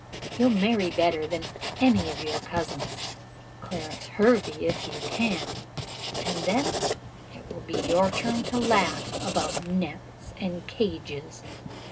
You'll marry better than any of your cousins, Clarence Hervey if you can; and then it will be your turn to laugh about nets and cages.